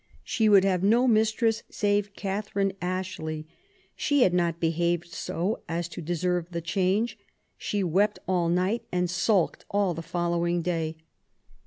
She would have no mistress save Catherine Ashley; she had not behaved so as to deserve the change. She wept all night, and sulked all the following day.